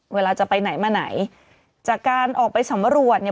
เวลาจะไปไหนมาไหนจากการออกไปสำรวจเนี่ย